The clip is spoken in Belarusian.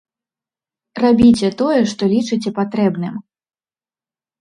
Рабіце тое, што лічыце патрэбным.